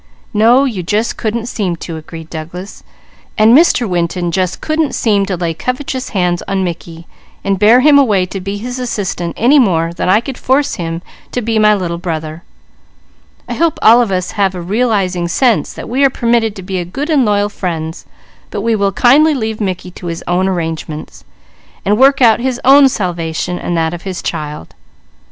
"No, you 'just couldn't seem to,'" agreed Douglas. "And Mr. Winton 'just couldn't seem to' lay covetous hands on Mickey, and bear him away to be his assistant any more than I could force him to be my Little Brother. I hope all of us have a realizing sense that we are permitted to be good and loyal friends; but we will kindly leave Mickey to make his own arrangements, and work out his own salvation, and that of his child.